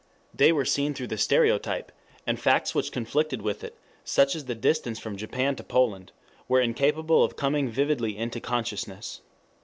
They were seen through the stereotype, and facts which conflicted with it, such as the distance from Japan to Poland, were incapable of coming vividly into consciousness.